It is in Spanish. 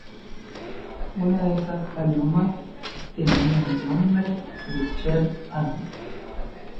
Una de esas palomas tenía el nombre de Cher Ami.